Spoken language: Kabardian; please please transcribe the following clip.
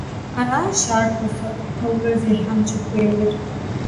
Аращ ар хуэсакъыпэурэ зехьэн щӏыхуейр.